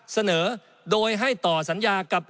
เสนอโดยให้ต่อสัญญากับ